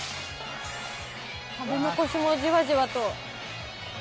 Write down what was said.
たべのこしもじわじわと。